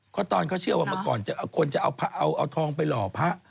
เพราะตอนเขาเชื่อว่ามาก่อนคนจะเอาทองไปหล่อพระ